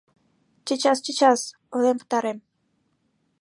— Чечас, чечас, ойлен пытарем...